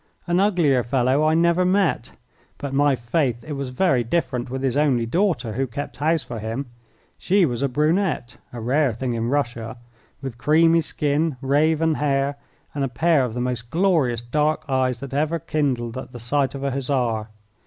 An uglier fellow I never met, but, my faith, it was very different with his only daughter, who kept house for him. She was a brunette, a rare thing in Russia, with creamy skin, raven hair, and a pair of the most glorious dark eyes that ever kindled at the sight of a Hussar.